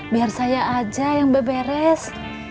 biar saya aja yang beres beres